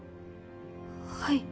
はい。